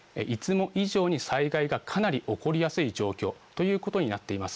いつも以上に災害がかなり起こりやすい状況ということになっています。